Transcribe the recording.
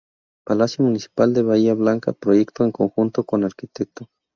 Palacio Municipal de Bahía Blanca, proyecto en conjunto con Arq.